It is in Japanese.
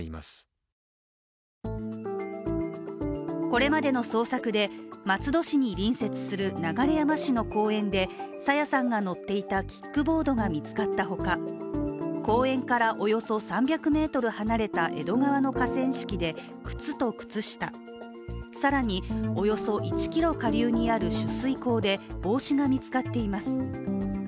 これまでの捜索で松戸市に隣接する流山市の公園で朝芽さんが乗っていたキックボードが見つかったほか、公園からおよそ３００ｍ離れた江戸川の河川敷で靴と靴下更におよそ１ｋｍ下流にある取水口で帽子が見つかっています。